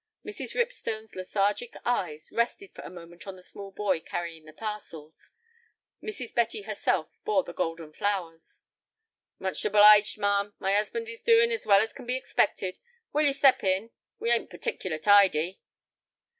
Mrs. Ripstone's lethargic eyes rested for a moment on the small boy carrying the parcels. Mrs. Betty herself bore the golden flowers. "Much obliged, ma'am; my 'usband is doin' as well as can be expected. Will you step in? We ain't particular tidy."